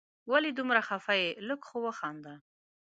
ولي دومره خفه یې ؟ لږ خو وخانده